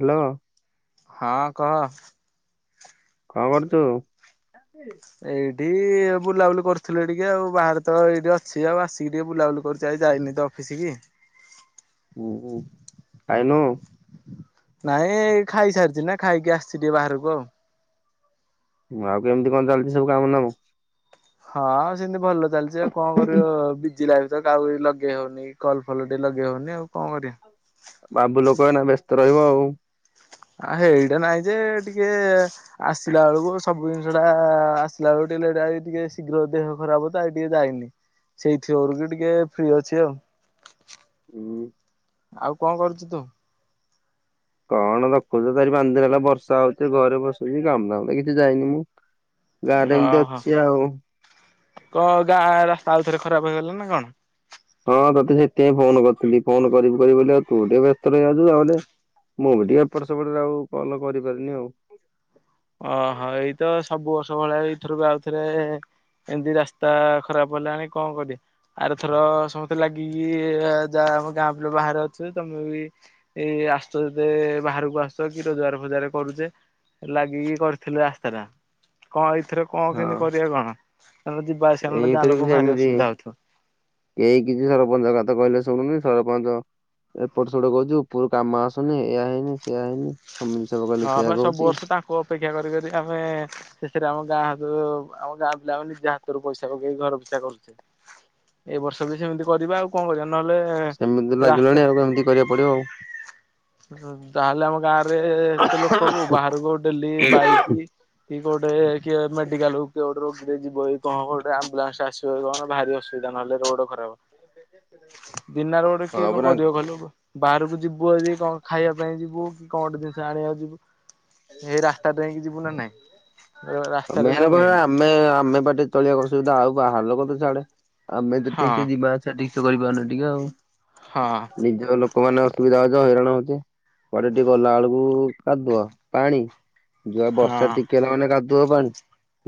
Hello. ହଁ କହ। କଣ କରୁଛୁ? ଏଇଠି ବୁଲାବୁଲି କରୁଥିଲେ ଟିକେ ଆଉ ବାହାରେ ତ ଏଇଠି ଅଛି ଆଉ ଆସିକି ଟିକେ ବୁଲାବୁଲି କରୁ ଯାଇ ଯାଇନି ତ ଅଫିସ କି ହୁଁ ଖାଇନୁ ନାଇଁ ଖାଇସାରିଛି ନା ଖାଇକି ଆସିଛି ଟିକେ ବାହାରକୁ ଆଉ ଁ ଆଉ କେମିତି କଣ ଚାଲିଛି ସବୁ କାମ ନାମ ହଁ ସେମିତି ଭଲ ଚାଲିଛି ଆଉ କଣ କରିବ ବିଜି ଲାଗୁଛି କାଉ ଲଗେଇ ହଉନି କଲ ଫଲ ଟିକେ ଲଗେଇ ହଉନି ଆଉ କଣ କରିବା ବାବୁ ଲୋକ ଏନା ବ୍ୟସ୍ତ ରହିବ ଆଉ ଆ ହେଇଟା ନାଇଁ ଯେ ଟିକେ ଆସିଲା ବେଳକୁ ସବୁ ଜିନିଷଟା ଆସିଲା ବେଳକୁ ଟିକେ ଏଟା ଟିକେ ଶୀଘ୍ର ଦେହ ଖରାପ ତ ଆ ଟିକେ ଯାଇନି ସେଇଥିିବୋର କି ଟିକେ ଫ୍ରି ଅଛି ଆଉ ହୁଁ ଆଉ କଣ କରୁଛୁ ତୁ କଣ ରଖୁଛ ତାରି ପାଞ୍ଚ ଦିନ ହେଲା ବର୍ଷା ହଉଚଛି ଘରେ ବସୁଛି କାମଧାମ କିଛି ଯାଇନି ମୁଁ ଗାଁରେ ଏମିତି ଓହୋ ଅଛି ଆଉ। କଣ ଗାଁ ରାସ୍ତା ଆଉ ଥରେ ଖରାପ ହେଇଗଲା ନା କଣ ହଁ ତତେ ସେଥିପାଇଁ ଫୋନ କରିଥିଲି ଫୋନ କରିବି ବ ଆଉ ତୁ ଟିକେ ବ୍ୟସ୍ତ ରଇଛୁ ତାହେଲେ ମୁଁ ବି ଟିକେ ଏପଟ ସେପଟରେ ଆଉ କଲ କରିପାରିନି ଆଉ ଓହୋ ଏଇ ତ ସବୁ ବର୍ଷ ଭଳିଆ ଏଇଥରୁ ବି ଆଉଥରେ ଏମିତି ରାସ୍ତା ଖରାପ ହେଲା ଆଣି କଣ କରି ଆରେଥର ସମସ୍ତେ ଲାଗିକି ଯାହା ଆମ ଗାଁ ପିଲ ବାହାରେ ଅଛୁ ତମେ ବି ଏଇ ଆସୁ ଯତେ ବାହାରକୁ ଆସ କି ରୋଜଗାର ଫଜାର କରୁଛେ ଲାଗି କରିଥିଲୁ ରାସ୍ତା ଟା କଣ ଏଇଥରେ କଣ ହଁ କେମିତି କରିବା କଣ ସେ ଯିବା ଆସମେ ଗାଁ ଏଇଥିରେ ବି ଲୋକ ଭାରି ସେମିତି ଅସୁବିଧା ହଉଥିବ କେହି କିଛି ସରପଞ୍ଚ କଥା କହିଲେ ଶୁଣୁନି ସରପଞ୍ଚ ଏପଟ ସେପଟ କହୁଛୁ ପୁରର କାମ ଆସୁନି ଏୟ ହେଇନି ସେଆ ହେଇନି ସମଷକ କହି ସେଇଆ କହୁଛି କୁ ଅପେକ୍ଷା କରିବ ଯଦି ଆମେ ସେଥିରେ ଆମ ଗାଁ ହାତରୁ ଆମ ଗାଁ ବ ଆମେ ନିଜେ ହାତରୁ ପଇସା ପକେଇି ଘର ପିଛା କରୁଛେ ଏ ବର୍ଷ ବି ସେମିତି କରିବା ଆଉ କଣ କରିବା ସେମିତି ତ ନହେଲେ ଲାଗିଲାଣି ରାସ୍ତା ଆଉ ଏମିତି କରିବାକୁ ପଡିବ ଆଉ ତାହେଲେ ଆମ ଗାଁରେ ଏତେ ଲୋକ କ ବାହାରକୁ ଆ ଡେଲି ବାଇକ କି କୋଉଟେ କିଏ ମେଡିକାଲ କୁ କିୋଟ ରୀରେ ଯିବ କି କଣ କୋଉଟ ଆମ୍ବୁଲାନ୍ସ ଆସିବ କଣ ଭାରିସ ସୁବିଧା ନହେଲେ ରୋଡ ଖରାପ ଦିନରେ ଗୋଟେ କିଏ ହଁ କଣ ପରା। କରିବ କହିଲ ବାହା ବାହାରକୁ ଯିବ ଯଦି କଣ ଖାଇବା ପାଇଁ ଯିବୁ କି କଣ ଗଟେ ଜିନିଷ ଆଣିବାକୁ ଯିବୁ। ସେଇ ରାସ୍ତା ଦେଇ ଯିବୁ ନା ନାଇଁ। ରାସ୍ତା ଆମେ ହେଲେ ହେଲା ପରା ମେନ୍। ଆମେ ଆମେ ବାଟେ ଚଳିବା କୁ ଅସୁୁବିଧା। ଆଉ ବାହାର ଲୋକ ତ ଛାଡ଼େ। ଆମେ ହଁ ଯେତିକି ଯିବା ସେତିକି ସେ କରିପାରୁନି ଟିକେ ଆଉ ହଁ ହଁ ନିଜ ଲୋକମାନେ ଅସୁବିଧା ହେଉଛ ହଇରାଣ ହେଉଛି କୁଆଡେ ଟିକେ ଗଲା ବେଳ - କୁ - ଉ କାଦୁଅ। ପାଣି ଯୁଆ ହଁ। ବର୍ଷା ଟିକେ ନୋହେଲେ କାଦୁବ ପାଣି।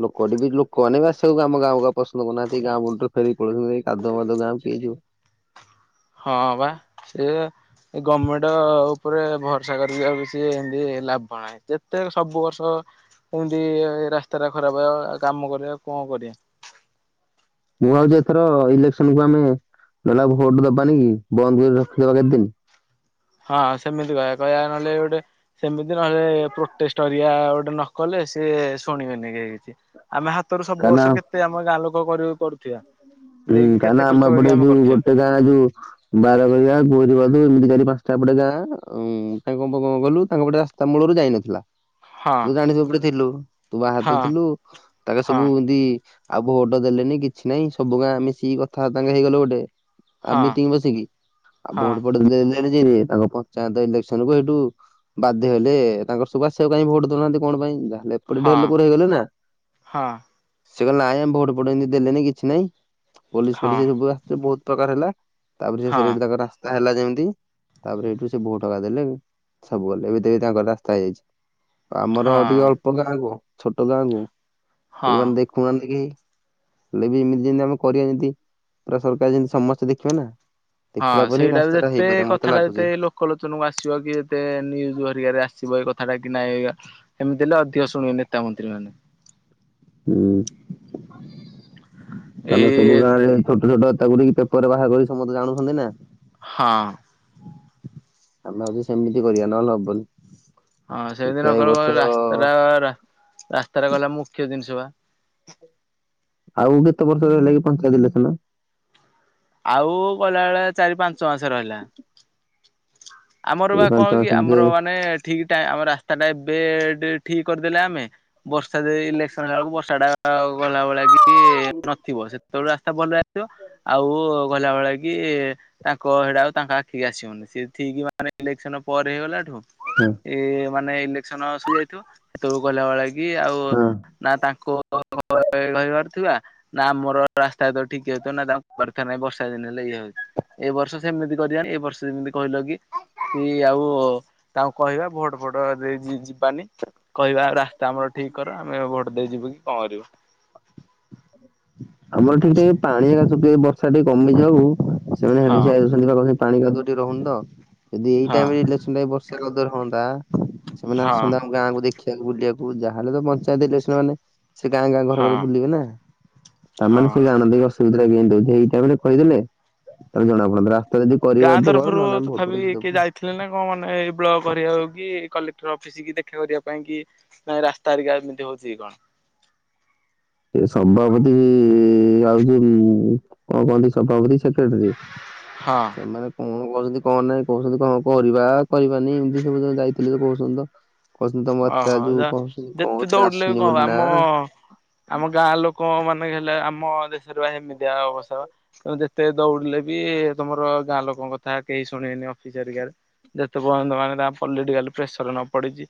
ଲୋକଟି ବି ଲୋକମାନେ ବି ଆସିବାକୁ ଆମୋ ଗାଁ କୁ ଆଉ ପସନ୍ଦ କରୁନାହାନ୍ତି। ଗାଁ ମୁଣ୍ଡ ଫେରିକି ପଲାଉଛନ୍ତି। ଏଇ କାଦୁଅ ଫାଦୁଅ ଗାଁକୁ କିଏ ଯିବ? ହଁ ବା ସେଇୟା। ଏ ଗମେଣ୍ଟ ଉପରେ ଭରସା କରି [unintelligible] ସିଏ ଇଏ ଲାଭ ନାହିଁ। ଯେତେ ସବୁ ବର୍ଷ କେମିତି ରାସ୍ତା ଟା ଖରାପ ହେବା କାମ କରିବା ଆଉ କଣ କରିବା। ମୁଁ ଭାବୁଛି ଏଥର ଇଲେକ୍ସନ କୁ ଆମେ ନହେଲା ଭୋଟ ଦବାନି କି? ବନ୍ଦ କରି ରଖିଦବା କେତେଦିନ। ହଁ ସେମିତି କହିବା କହିବା ନହେଲେ ଗୋଟେ ସେମିତି ନହେଲେ ପ୍ରୋଟେଷ୍ଟରିଆ ଗୋଟେ ନକଲେ ସିଏ ଶୁଣିବେନି କେହି କିଛି। ଆମେ ହାତରୁ ସବୁ କାହିଁକିନା ବର୍ଷ କେତେ ଆମ ଗାଁ ଲୋକ କରିବେ କରୁଥିବା। ହୁଁ ଦେଇକି କାହିଁକ କେତେ ନା ଖର୍ଚ୍ଚ କରିକି ଆମପଟେ ଆମେ ଯୋଉ କରୁଥିବା ଗୋଟେ ଗାଁ ଯୋଉ ବାର ବଜା ଗୌରିବାଦି ଏମିତି କାଲି ପାଞ୍ଚଟା ଏପଟେ ଗାଁ। ତାଙ୍କ ପାଖକୁ ଗଲୁ ତାଙ୍କପଟେ ଆସ୍ ତା ମୂଳରୁ ଯାଇନଥିଲା। [inaudible] ତୁ ଜାଣିଚୁ ଏପଟେ ଥିଲୁ ତୁ ବାହାରେ ତ ହଁ ଥିଲୁ ତାକୁ ସବୁ ଏମିତି। ଆଉ ଭୋଟ୍ ଦେଲେନି କିଛି ନାଇଁ ସବୁ ଗାଁ ମିଶିକି କଥା ତାଙ୍କେ ହେଇଗଲେ ଗୋଟେ। ଆଉ ହଁ ମିଟିଂ ବସିକି ଆଉ ହଁ ଭୋଟ୍ ଫୋଟ୍ ଦେଲେ। ଏଇନା ଯାଇରେ ତାଙ୍କ ପଞ୍ଚାୟତ ଇଲେକ୍ସନକୁ ସେଇଠୁ। ବାଧ୍ୟ ହେଲେ ତାଙ୍କର ସବୁ ଆସିବାକୁ କାଇଁ ଭୋଟ୍ ଦଉନାହାନ୍ତି କଣ ପାଇଁ ଯାହେଲେ। ଏପଟେ ଢେର୍ ହଁ ଲୋକ ରହିଗଲେ ନା ହଁ ସେ କହିଲେ ନାଇଁ ଆମେ ଭୋଟ୍ ଫୋଟ୍ ଏମିତି ଦେଲେନି କିଛି ନାଇଁ। ପୋଲିସ ହଁ ହଁ ଫୋଲିସ ସବୁ ଆସିଥିଲେ ବହୁତ ପ୍ରକାର ହେଲା ତାପରେ ହଁ ଶେଷରେ ସେଇଠୁ ତାଙ୍କ ରାସ୍ତା। ରାସ୍ତା ହେଲା ଯେମିତି ତାପରେ ସେଇଠୁ ସେ ଭୋଟ୍ ଆକା ଦେଲେ ସବୁ କଲେ ଏବେ ଦେଖ୍ ତାଙ୍କର ରାସ୍ତା ହେଇଯାଇଛି। ଆମର ହଁ ଟିକେ ଅଳ୍ପ ଗାଁକୁ ଛୋଟ ଗାଁକୁ ଟିକେ ହଁ ମାନେ ଦେଖୁ। କୁହନ୍ତି କି ହେଲେ ବି ଏମିତି ଯେମତି ଆମ। କରିବା ଯେମିତି ପୁରା ସରକାର ଯେମିତି ସମସ୍ତେ ଦେଖିବେ ନା। ଦେଖିଲା ହଁ ପରେ ହିଁ ସେଇଟା ବି ରାସ୍ତାଟା ଯେତେ ହେଇପାରିବ ମତେ କଥାଟା ଲାଗୁଛି। ଯେତେ ଲୋକ। ଲୋକ ଲୋଚନକୁ ଆସିବ କି ଏତେ ନ୍ୟୁଜ୍ ଘରିକାରେ ଆସିବ ଏ କଥାଟା କି ନାହିଁ। ଏମିତି ହେଲେ ଅଧିକ ଶୁଣିବେ ନେତା ମନ୍ତ୍ରୀ ମାନେ। ହୁଁ ଆମେ ସବୁ ଏଇ ଗାଁରେ ଯାଇ ଛୋଟ ଛୋଟ କଥାକୁୁନେଇକି ତାକୁ। ପରେ ବାହାରକରି ସମସ୍ତେ ଜାଣୁଛନ୍ତି ନା। ହଁ ଆମେ‌ ଭାବୁଛୁ ସେମିତି କରିବା ନହେଲେ ହବନି। ହଁ ସେମିତି ଦେଖିବା ନ ଏଇ କଲେ ବା ବର୍ଷ ରାସ୍ତାଟା ରା ରାସ୍ତା ଟା ଗଲା ମୁଖ୍ୟ ଜିନିଷ ବା। ଆଉ କେତେ ବର୍ଷ ରହିଲା କିି ପଞ୍ଚାୟତ ଇଲେକ୍ସନ୍। ଆଉ କହିଲା ଭଳିଆ ଚାରି ପାଞ୍ଚ ମାସ ରହିଲା। ଆମର ଏଇ ବା ପାଞ୍ଚ କଣ କି ମାସ ଆମର ଭିତରେ ମାନେ ଠିକ୍ ଟାଇମ୍ ଆମର ରାସ୍ତାଟା ଏବେ ଠିକ୍ କରିଦେଲେ ଆମେ। ବର୍ଷା ଯେ ଇଲେକ୍ସନ୍ ହେଲା ବେଳକୁ ବର୍ଷା ଟା ଆଉ ଗଲା ଭଳିଆ କିଛି ନଥିବ ସେ। ବେଳେ ରାସ୍ତା ଭଲଇଆସିଥିବ। ଆଉ କହିଲା ଭଳିଆ କି ତାଙ୍କ ସେଟା ଆଉ ତାଙ୍କ ଆଖି କି ଆସିବନି ସେ ଠିକ୍ ମାନେ। ମାନେ ଇଲେକ୍ସନ୍ ପରେ ହେଇଗଲାଠୁ। ହୁଁ। ଏଇ ମାନେ ଇଲେକ୍ସନ୍ ଆସିଯାଇଥିବ ସେତେବେଳକୁ କହିଲା ଭଳିଆ କି ଆଉ। ହଁ [unintelligible] କହି କହିପାରୁଥିବା ନା ଆମର ରାସ୍ତା ତ ଠିକ୍ ହେଇଥିବ ନା ତାଙ୍କୁ କହିପାରୁଥିବା ନା ବର୍ଷା ଦିନ ହେଲେ ଏଇଆ ହେଉଛି। ଏ ବର୍ଷ ସେମିତି କରିବା ଏ ବର୍ଷ ଯେମିତି କହିଲ କି। କି ଆଉ ତାଙ୍କୁ କହିବା ଭୋଟ୍ ଫୋଟ୍ ଦେଇ ଯି ଯିବାନି କହିବା। ରାସ୍ତା ଆମର ଠିକ୍ କର ଆମେ ଭୋଟ୍ ଦେଇଯିବୁ କି କଣ କରିବୁ। ଆମର ଏଠିକି ଟିକେ ପାଣିଘରିକା ଶୁଖି ବର୍ଷା ଟିକେ କମିଯାଉ ହଁ ସେମାନେ ସେ। ସେଥିପାଇଁ କହୁଛି ପାଣି କାଦୁଅ କମୁନି ତ ସେ ହଁ ଦିଟାଇମ୍ ଇଲେକ୍ସନ୍ ଯାଏଁ ବର୍ଷା କାଦୁଅ। ପା ସେମାନେ ହଁ। ଆସନ୍ତୁ ଆମ ଗାଁକୁ ଦେଖ। ଦେଖି ଆକୁ ବୁଲିବାକୁ ଯାହାହେଲେ ପଞ୍ଚାୟତ ହେଲେ ସେ ଗାଁ ଗାଁ ଘର ହଁ ଘର ବୁଲିବେ ନାଁ। ଆମେମାନେ ହଁ। ସବୁ ଜାଣନ୍ତି ଅସୁବିଧାଟା କେନ୍ତି ହେଉଛି ଏଇ ଟାଇମ୍ଏ ରେ କହିଦେଲେ ତାହେଲେ ଜଣା ପଡନ୍ତା। ତାର ଯଦିି କରିବାର ଥିବ ନହେଲେ ଆମେ ଭୋଟ୍ ଫୋଟ୍ କିଛି ଦବୁନି। ଥିଲେ ନାଁ କଣ ଏଇ ବ୍ଲକ୍ କରିବାକୁ କି କଲେକ୍ଟର୍ ଅଫିସ୍ କି ଦେଖା କରିବା ପାଇଁ କି। ନାଇଁ ରାସ୍ତା ଘରିକା ଏମିତି ହଉଛି କି କଣ। ସେ ସଭାପତି ଇ ଆଉ ଯୋଉଁ କଣ କହନ୍ତି ସଭାପତି ସେଠି। ସେକ୍ରେଟାରୀ ହଁ ସେମାନେ। କଣ କହୁଛନ୍ତି କଣ ନାଇଁ କହୁଛନ୍ତି ତ ହବ ବୋଲି ବା କରିବାନି ଏମିତି ସବୁ ଯୋଉ ଯାଇଥିଲେ ତ କହୁଛନ୍ତି ତ। କହୁଛନ୍ତି ତ ମୋତେ ତା ଓହୋ ଯୋଉଁ ଯା କଣ କହୁଛନ୍ତି ଯେତେ କଉଥିରେ ଦୌଡିଲେ ବି ଆସୁନି କଣ ହବ ବୋଲି ଆମ ନାଁ। ଆମ ଗାଁ ଲୋକ ମାନେ ହେଲେ ଆମ ଦେଶର ଏମିତି ଆ ଅବସ୍ଥା। ତମେ ଯେତେ ଦୌଡିଲେ ବି ତମର ଗାଁ ଲୋକଙ୍କ କଥା କେହି ଶୁଣିବେନି ଅଫିସ୍ ହରିକା। ଯେତେପର୍ଯ୍ୟନ୍ତ ମାନେ ତାଙ୍କ ପଲିଟିକାଲ୍ ପ୍ରେସର୍ ନ ପଡିଛି।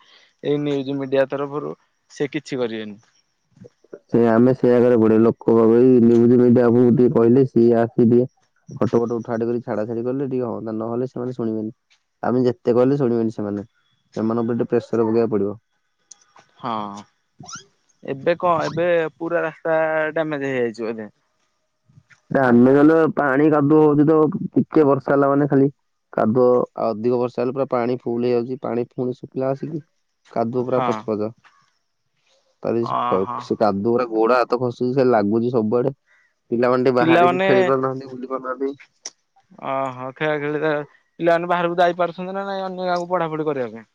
ଏଇ ନ୍ୟୁଜ୍ ମିଡିଆ ତରଫରୁ ସେ କିଛି କରିବେନି। ସେ ଆମେ ସେ ଜାଗାରେ ପଢ଼ୀବା ଲୋକ ଗହଳି ନିଉଜୁ ମିଡିୟା ଆପଣଙ୍କୁ କିଏ କହିଲେ ସିଏ ଆସି ଟିକେ [unintelligible] ଫଟ ଫଟ ଉଠା ଉଠି କରି ଛାଡ ସେଇ ଗଲେ ଟିକେ ହଅନ୍ତା ନହେଲେ ସେମାନେ ଶୁଣିବେନି ଆମେ ଯେତେ କହଲେ ଶୁଣିବେନି ସେମାନେ। ସେମାନଙ୍କ ଉପରେ ଟିକେ ପ୍ରେସର ପକେଇବା କୁ ପଡିବ। ହଁ ଏବେ କଣ ଏବେ ପୁରା ରାସ୍ତା ଡାମେଜ୍ ହେଇଯାଇଛି ବୋଧେ। ଏ ଆମେ ନହେଲେ ପାଣି କାଦୁ ହଉଚି ତ ଟିକେ ବର୍ଷା ହେଲା ମାନେ ଖାଲି। କାଦୁଅ ଆ ଅଧିକ ବର୍ଷା ହେଲେ ପୁରା ପାଣି ଫୁଲ ହେଇଯାଉଛି ପାଣି ଫୁଣି ଶୁଖିଲା ଆସିକି କାଦୁଅ ପୁରା ହଁ। ପଚ୍ ପଚ୍ କାଲି ସକାଳୁ ଓହୋ ସୁ କାଦୁଅ ଗୁରା ଗୋଡ ହାତ ଖସୁଛି ସେ ଲାଗୁଛି ସବୁଆଡେ ପିଲାମାନେ ଟିକେ ବାହାରେ ବି ପିଲାମାନେ ଖେଳି ପାରୁନାହାନ୍ତି ବୁଲି। କରୁ ନାହାନ୍ତି। ଓହୋ ଖେଳାଖେଳିରେ ପିଲାମାନେ ବାହାରକୁ ଯାଇ ପାରୁଛନ୍ତି ନାଁ ନାଇଁ ଅନ୍ୟ ଗାଁକୁ ପଢାପଢି କରିବା ପାଇଁ?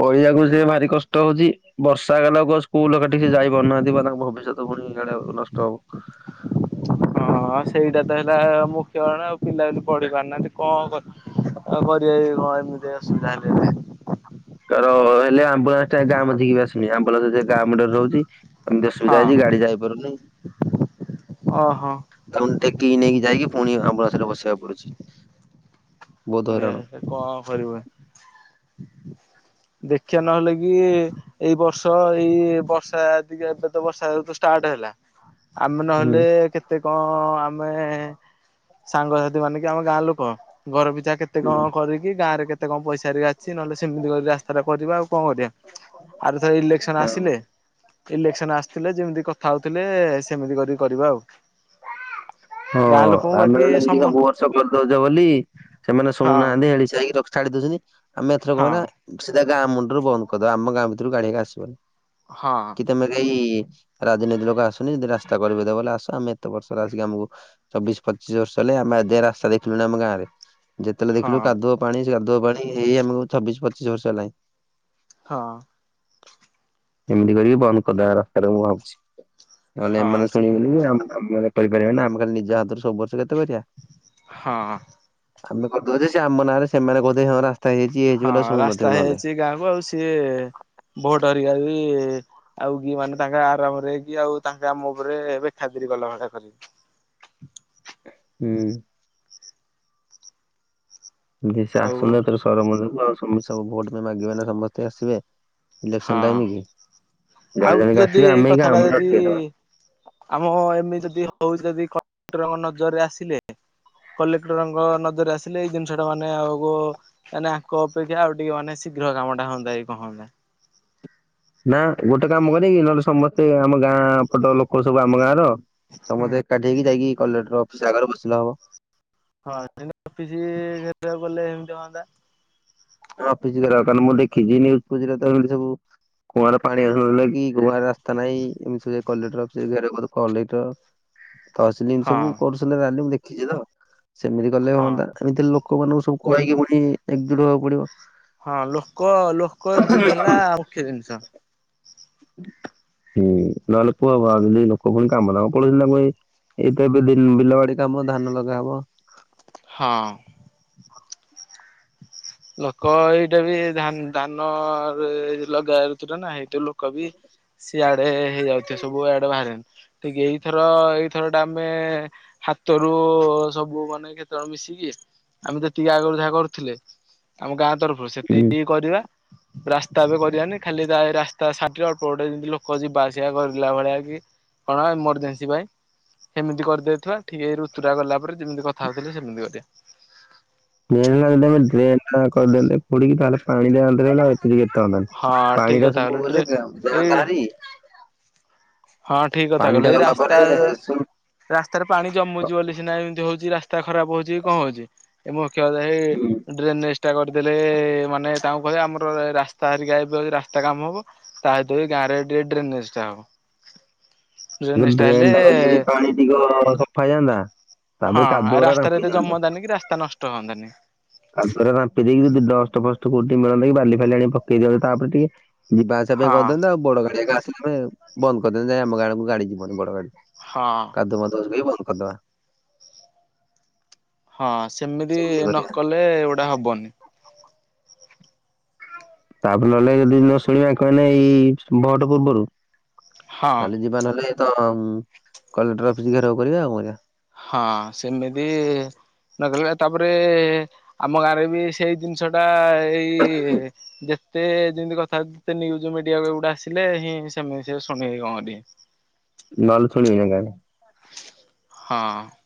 ପଢିବାକୁ ଯିବାଭାରି କଷ୍ଟ ହଉଛି ବର୍ଷା ହେଲାରୁ ସ୍କୁଲ ଟିକ ସେ ଯାଇପାରୁନାହାନ୍ତୀ ତାଙ୍କ ଭବିଷ୍ୟତ ଧୂମଧାଡାକ ନଷ୍ଟ ହବ [unintelligible] ହଁ ସେଇଟା ତ ହେଲା ମୁଖ୍ୟ ନାଁ ଆଉ ପିଲା ବୋଲି ପଢି ପାରୁନାହାନ୍ତି କଣ କରି ଆଉ କରିବା ବି କଣ? ଏମିତି ଅସୁବିଧା ହେଲେ ଏବେ। ଜର ହେଲେ ଆମ୍ବୁଲାନ୍ସ ଟା ଗାଁ ମଝିକୁ ବି ଆସୁନି ଆମ୍ବୁଲାନ୍ସ ଯାଇକି ଗାଁ ମୁଣ୍ଡରେ ରହୁଛି। ଏମିତି ଅସୁବିଧା ହଁ। ହେଇଛି ଗାଡି ଯାଇପାରୁନି। ଅ ହଁ। ତା ଟେକିକି ନେଇକି ଯାଇକି ପୁଣି ଆମ୍ବୁଲାନ୍ସ ରେ ବସେଇବାକୁ ପଡୁଛି। ବହୁତ ଏ ହଇରାଣ ହେଁ କଣ କରିବୁ ଦେଖିବା ନହେଲେ କି ଏଇ ବର୍ଷ ଏଇ ବର୍ଷା ଟିକେ ଏବେ ତ ବର୍ଷା ତ ଷ୍ଟାର୍ଟ ହେଲା। ଆମେ ହୁଁ। ନହେଲେ କେତେ କେତେ କଣ ଆମେ ସାଙ୍ଗସାଥି ମାନେକି ଆମ ଗାଁ ଲୋକ ଘର ପିଛା କେତେ କେତେ କଣ କରିକି ଗାଁ ରେ କେତେ କଣ ପଇସାରିକା ଅଛି ନହେଲେ ସେମିତି କରି ରାସ୍ତାଟା କରିବା ଆଉ କଣ କରିବା? ଆରଥର ଇଲେକ୍ସନ ହଁ ଆସିଲେ। ଇଲେକ୍ସନ ଆସିଥିଲେ ଯେମିତି କଥା ହଉଥିଲେ ସେମିତି କରିକି କରିବା ଆଉଁ। ହଁ ଆମେ ବାକି ନହେଲେ ମିଶିକି ସମ ସବୁ ସପୋଟ ଦଉଛ ବୋଲି ସେମାନେ ହଁ ଶୁଣୁନାହାନ୍ତି। ହେଳିଚେଇଁ ଛାଇ ରଖି କାଢ଼ିଦଉଛନ୍ତି ଆମେ ଏଥରକ ହଁ ନାଁ [unintelligible] ସିଧା ଗାଁ ମୁଣ୍ଡରୁ ବନ୍ଦକରିଦବା ଆମ ଗାଁ ଭିତରୁ ଗାଡିି ଏକା ଆସିବନି। ହଁ। ତେମେ କେହି ରାଜନୀତି ଲୋକ ଆସନି ଯଦି ରାସ୍ତା କରିବେ ଦେବେ ବଲେ ଆସ ଆମେ ଏତେ ବର୍ଷର ଆସିକି ଆମକୁ ଚବିଶ ପଚିଶ ବର୍ଷ ହେଲେ ଆମେ ଏଯାଏଁ ରାସ୍ତା ଦେଖିଲୁଣି ଆମ ଗାଁରେ ଯେତେବେଳେ ହଁ ଦେଖିଲୁ କାଦୁଅ ପାଣି କାଦୁଅ ପାଣି ଏଇ ଆମକୁ ଛବିଶ୍ ପଚିସ୍ ବର୍ଷ ହେଲାଣି। ହଁ। ଏମିତି କରିବି ବନ୍ଦ କରିଦେବା ରାସ୍ତାରେ ମୁଁ ଭାବୁଛି। ନହଲେ ଏମାନେ ହଁ ଶୁଣିବେନି କି ଆମେ କହିପାରିବେନି ନା ଆମେ ଖାଲି ନିଜ ହାତରୁ ସବୁ ବର୍ଷ କେତେ କରିବା। ହଁ। ଆମେ କରିଦଉଛ ସେ ଆମ ନାଁରେ ସେମାନେ କଉଛନ୍ତି ହଁ ରାସ୍ତା ହେଇଯାଇଛି। ଇଏ ହେଇଛି ହଁ ବୋଲି ଆଉ ରାସ୍ତା ଶୁଣୁନଥିବେ ନହେଲେ। ହେଇଯାଇଛି ଗାଁକୁ ଆଉ ସିଏ ଭୋଟ ହରିକା ବି ଆଉ କି ମାନେ ତାଙ୍କ ଆରାମରେକି ଆଉ ତାଙ୍କ ଆମ ଉପରେ ବେଖାତିରି କଲାଭଳି କରି ହୁଁ। ସେ ଆଉ ଆସୁନ ତୋର ସରମଜ ଆଉ ସବୁ ଭୋଟ ପାଇଁ ମାଗିବେ ନା ସମସ୍ତେ ଆସିବେ [unintelligible] ଇଲେକ୍ସନ ହଁ ଟାଇମ୍ କି ଆଉ ଜଣେ ଜଣିକା ଯଦି ଆସିବେ ଆମେ ଏଇ ଗାଁ କଥାଟା ମୁଣ୍ଡରେ ଯଦି ଅଟକେଇଦବା। ଆମ ଏମିତି ଯଦି ହଉଚି ଯଦି କଲେକ୍ଟରଙ୍କ ନଜରରେ ଆସିଲେ। କଲେକ୍ଟରଙ୍କ ନଜରରେ ଆସିଲେ ଏଇ ଜିନିଷ ଟା ମାନେ ଆଗକୁ ମାନେ ଆଙ୍କ ଅପେକ୍ଷା ଆଉ ଟିକେ ମାନେ ଶୀଘ୍ର କାମ ଟା ହନ୍ତା କି କଣ ହନ୍ତା। ନା ଗୋଟେ କାମ କରିକି ନହଲେ ସମସ୍ତେ ଆମ ଗାଁ ପଟ ଲୋକ ସବୁ ଆମ ଗାଁର ହୁଁ। ସମସ୍ତେ ଏକାଠି ହେକି ଯାଇକି କଲେକ୍ଟର୍ ଅଫିସ୍ ଆଗରେ ବସିଲେ ହବ। ହଁ ସେ ଅଫିସ ଘେରଉକୁ ଗଲେ ଏମିତି ହଅନ୍ତା। ହଁ ଅଫିସ ଘେରାଉ କଲେ ମୁଁ ଦେଖଛିତ ଏ ନ୍ୟୁଜ ଫିୟୁଜ ରେ ତ ଏମିତି ସବୁ। କୁଆଁରେ ପାଣି ଆସୁନାହିଁକି କି ରାସ୍ତା ନାହିଁ ଏମିତି ସବୁ କଲେକ୍ଟର ଅଫିସ ରେ ଘେରାଉ କଲେ କଲେ ତହସିଲ ହଁ ସବୁ କରୁଚନ୍ତି ରାଲି ଦେଖିଛି ତ ସେମିତି କଲେ ହଁ ହୁଅନ୍ତା ଏମିତି ଲୋକମାନଙ୍କୁ ସବୁ କହିକି ପୁଣି ଏକଜୁଟ ହବାକୁ ପଡିବ ହଁ ଲୋକ ଲୋକ ଏକଜୁଟ ହେଲା ମୁଖ୍ୟ ଜିନିଷ ହୁଁ ନହେଲେ ପୁଅ ବା ଲୋକ ପୁଣି କାମ ଦାମ ପଳେଇଥିଲା ମୁଇଁ ଏଇତ ଏବେ ବିଲ ବାଡି କାମ ଧାନ ଲଗା ହବ ହଁ ଲୋକ ଏଇଟା ବି ଧାନ ଲଗା ଯାଉଛି ନା ଏଇ ଲୋକ ବି ସିଆଡେ ହେଇ ଯାଉଥିବେ ସବୁ ଆଡେ ବାହାରେ ଟିକେ ଏଇଥର ଏଇଥର ଟା ଆମେ ହାତରୁ ସବୁ ମାନେ ଜଣ ମିଶିକି ଆମେ ତ ଯେତିକି ଆଗରୁ ଯାହା କରୁଥିଲେ ଆମ ଗାଁ ତରଫ ସେତିକି ହୁଁ ଟିକେ କରିବା ରାସ୍ତା ଏବେ କରିଆନି ଖାଲି ତା ରାସ୍ତା ସାଇଟିରେ ଅଳ୍ପ ଗଟେ ଯେମିତି ଲୋକ ଯିବା ଆସିବା କରିଲା ଭଳିଆ କି କଣ ଏମରଜେନ୍ସି ପାଇଁ ସେମିତି କରିଦେଇଥିବା ଠିକ ଏଇ ରୁତୁଟା ଗଲା ପରେ ଯେମିତି କଥା ହଉଥିଲେ ସେମିତି କରିବା ଡ୍ରେନ୍ ଲାଇନ୍ ଡ୍ରେନ୍ ଟା କରିଦେଲେ ଖୋଳିକି ତା ହେଲେ [unintelligible] [unintelligible] ହଁ ପାଣି ଠିକ ଟା କଥା କହିଲୁ ଡ୍ରେ ସବୁଗଲେ ଗାଁ ଏଇ ବାହାରି ହଁ ଠିକ କଥା କହିଲୁ ଏଇ ରାସ୍ତା ସବୁ ରାସ୍ତାରେ ପାଣି ଜମୁଛି ବୋଲି ସିନା ଏମିତି ହଉଛି ରାସ୍ତା ଖରାପ ହଉଛି କଣ ହଉଛି ଏ ମୁଖ୍ୟ କଥା ଏଇ ଡ୍ରେନ ନେଷ୍ଟା କରିଦେଲେ ମାନେ ତାଙ୍କୁ କହିବେ ଆମର ରାସ୍ତା ହରିକି ଆ ରାସ୍ତା କାମ ହବ [unintelligible] ଗାଁରେ ଟିକେ ଡ୍ରେନେଜ ଟା ହବ ଡ୍ରେନେଜ ହେଲେ ଡ୍ରେନ୍ ଟା କରି ଯଦି ପାଣି ଟିକ ସଫା ହେଇଜଆନ୍ତା ହଁ ଆ ରାସ୍ତାରେ ରେ ଏତେ ଜମନ୍ତାନି କି ରାସ୍ତା ନଷ୍ଟ ହୁଅନ୍ତାନି ତାରେ ରାମ୍ପି ଦେଇକି ଡଷ୍ଟ ଫଷ୍ଟ କୋଉଠି ମିଳନ୍ତା କି ବାଲି ଫାଲି ଆଣି ପକେଇ ଦିଅନ୍ତି ତାପରେ ଟିକେ ଯିବା ଆସିବା ପାଇଁ ହଁ କରିଦଅନ୍ତେ ଆଉ ବଡ ଗାଡି ଆସିଲା ବନ୍ଦ କରିଦିଅନ୍ତେ ଯାଇ ଆମ ଗାଁ ଗାଡି ଯିବନି ବଡ ଗାଡି ହଁ କାଦୁଅ ମାଦୁଅ ହେଲେ ବି ବନ୍ଦ କରିଦବା ହଁ ସେମିତି ନକଲେ ଏଗୁଡା ହବନି ତାପରେ ନହେଲେ ଯଦି ନ ଶୁଣିବା କହେ ଏଇ ଭୋଟ ପୂର୍ବରୁ ହଁ ତାହାଲେ ଯିବା ନହେଲେ ତ କଲେକ୍ଟର ଅଫିସ ଘେରାଉ କରିବା ଆଉ କରିବା ହଁ ସେମିତି ନକଲେ ତାପରେ ଆମ ଗାଁ ରେ ବି ସେଇ ଜିନିଷ ଟା ଏଇ ଯେତେ ଯେମିତି କଥା ଯେତେ ନ୍ୟୁିଜ ମିଡିଆ ବାଲାଟେ ଆସିଲେ ହିଁ ସେମିତି ସେ ଶୁଣିବି କଣ କରିବେ ନ ହେଲେ ଶୁଣିବେ ନି ଏ ଗାଁ ରେ ହଁ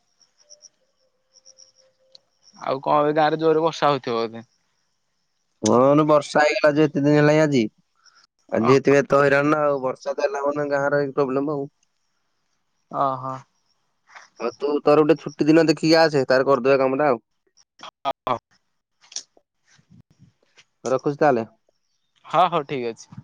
ଆଉ କଣ ଗାଁରେ ଯୋରରେ ବର୍ଷା ହଉଥିବ ବୋଧେ ହଁ ବର୍ଷା ହେଇଗଲା ଯ ଏତେ ଦିନ ହେଲାଣି ଆଜି ଆଜି ଏତ ତ ହଇରାଣ ନା ଆଉ ବର୍ଷା ତ ଦେଲା ମାନେ ଗାଁର ପ୍ରୋବ୍ଲେମ ଆଉ ଓହୋ ହଉ ତୁ ତୋର ଗୋଟେ ଛୁଟି ଦିନ ଦେଖିକି ଆସେ ତାର କରିଦେବା କାମଟା ଆଉ [unintelligible] ରଖୁଛି ତାହେଲେ ହଁ ହଉ ଠିକ ଅଛି